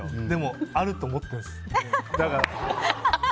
でも、あると思ってるんです。